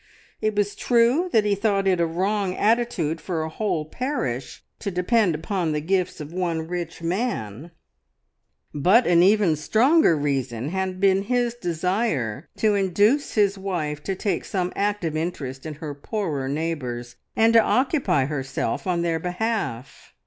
It was true that he thought it a wrong attitude for a whole parish to depend upon the gifts of one rich man, but an even stronger reason had been his desire to induce his wife to take some active interest in her poorer neighbours and to occupy herself on their behalf.